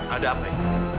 ada apa ini